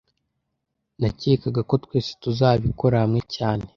Nakekaga ko twese tuzabikora hamwe cyane